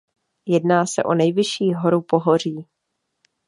Jedná se o nejvyšší horu pohoří.